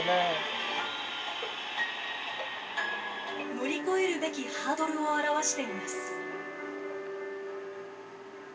「乗り越えるべきハードルを表しています」。